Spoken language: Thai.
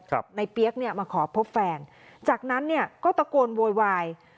นายเปี๊ยกมาขอพบแฟนจากนั้นก็ตะโกนโวยวาย